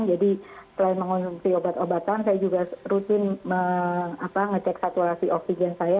jadi selain mengonsumsi obat obatan saya juga rutin mengecek saturasi oksigen saya